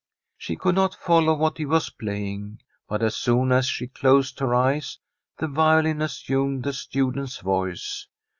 She could not follow what he was playing. But as soon as she closed her eyes the violin as sumed the student's voice.